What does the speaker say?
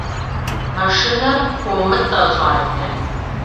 Мэршынэр хуомытӏэ, щӏалэ!